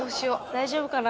大丈夫かな？